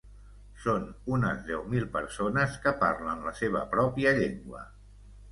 Són unes deu mil persones que parlen la seva pròpia llengua.